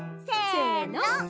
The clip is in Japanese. せの！